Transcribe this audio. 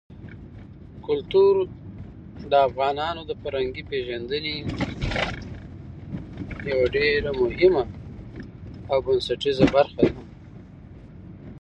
کلتور د افغانانو د فرهنګي پیژندنې یوه ډېره مهمه او بنسټیزه برخه ده.